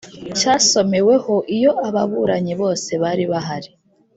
cyasomeweho iyo ababuranyi bose bari bahari